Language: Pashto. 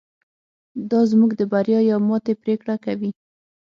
دا زموږ د بریا یا ماتې پرېکړه کوي.